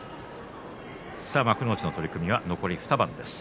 幕内の取組は残り２番です。